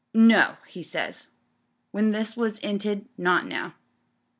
'No,' he says, when this was 'inted — ^'not now.